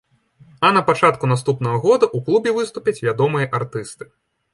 А на пачатку наступнага года ў клубе выступяць вядомыя артысты.